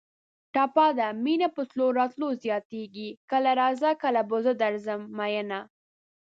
ټپه ده: مینه په تلو راتلو زیاتېږي کله راځه کله به زه درځم مینه